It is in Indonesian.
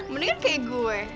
mendingan kayak gue